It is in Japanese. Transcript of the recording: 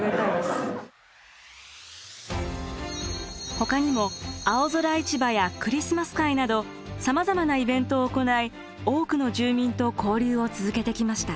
ほかにも青空市場やクリスマス会などさまざまなイベントを行い多くの住民と交流を続けてきました。